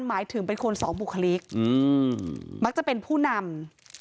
หมายถึงเป็นคนสองบุคลิกมักจะเป็นผู้นำ